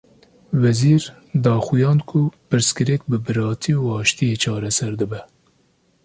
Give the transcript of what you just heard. Wezîr, daxuyand ku pirsgirêk bi biratî û aştiyê çareser dibe